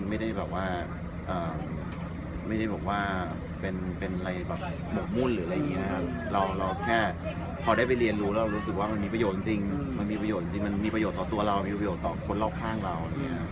มันไม่ได้บอกว่าเป็นอะไรหมดมุ่นหรืออะไรแค่พอได้ไปเรียนรู้แล้วรู้สึกว่ามันมีประโยชน์จริงต่อตัวเรามีประโยชน์ต่อคนรอบข้างเรา